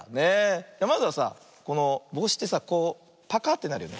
まずはさあこのぼうしってさこうパカッてなるよね。